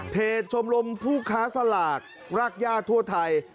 เพจชมรมผู้ค้าสลากรักญาติทั่วไทย